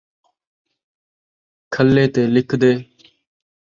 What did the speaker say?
کھلّے تے لکھدے